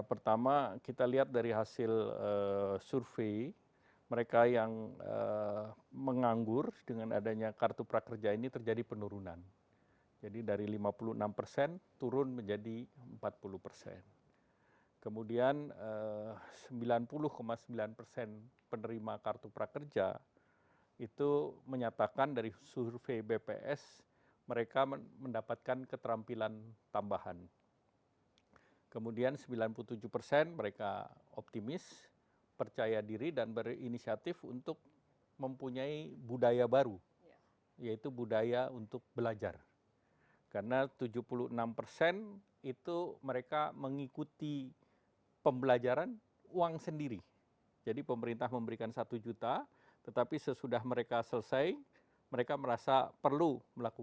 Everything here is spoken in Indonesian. pada saat mereka tidak punya minimum saldo tidak bisa maintain minimum saldo